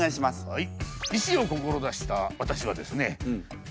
はい。